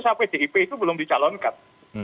sampai pdip itu belum dicalonkan